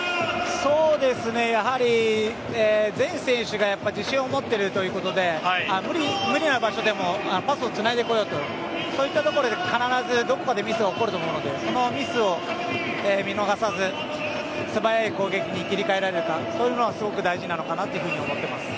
そうですねやはり、全選手が自信を持っているということで無理な場所でもパスをつないでこようとそういったところで必ずどこかでミスが起こると思うのでそのミスを見逃さず素早い攻撃に切り替えられるかそういうのはすごく大事なのかなと思ってます。